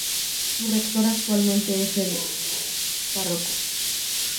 Su rector actualmente es el pbro.